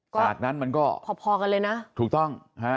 จากนั้นมันก็พอกันเลยนะถูกต้องฮะ